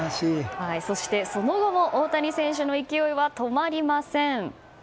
そして、その後も大谷選手の勢いは止まりません。